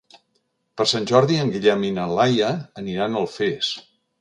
Per Sant Jordi en Guillem i na Laia aniran a Alfés.